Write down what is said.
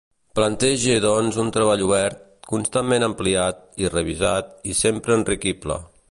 Plantege doncs un treball obert, constantment ampliat i revisat i sempre enriquible.